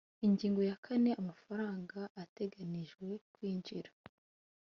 ingingo ya kane amafaranga ateganijwe kwinjira